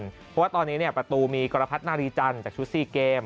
เพราะว่าตอนนี้ประตูมีกรพัฒนารีจันทร์จากชุด๔เกม